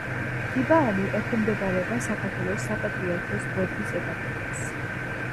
ტიბაანი ექვემდებარება საქართველოს საპატრიარქოს ბოდბის ეპარქიას.